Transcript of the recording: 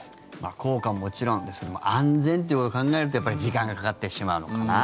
効果ももちろんですけども安全ということを考えると時間がかかってしまうのかな。